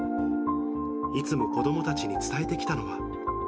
いつも子どもたちに伝えてきたのは。